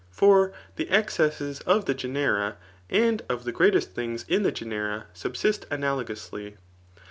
For the excesses of the genera, and of the greatest things in the genera, subsist analogously.